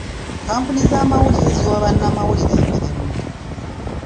Kampuni z'amawulire ziwa bannamawulire emirimu.